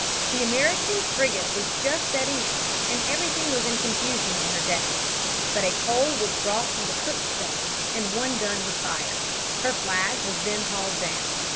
The American frigate was just setting out, and everything was in confusion on her decks. But a coal was brought from the cook's stove, and one gun was fired. Her flag was then hauled down.